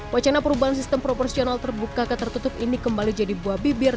wacana perubahan sistem proporsional terbuka ke tertutup ini kembali jadi buah bibir